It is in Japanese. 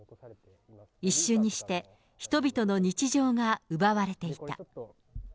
一瞬にして、人々の日常が奪われていた。